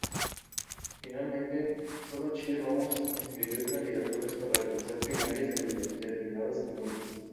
Finalmente, sólo Chile Vamos inscribió candidaturas para realizar primarias en determinadas comunas.